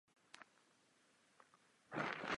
Jak chceme financovat navrhované iniciativy a opatření?